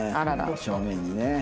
正面にね。